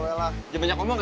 eh jangan banyak ngomong ya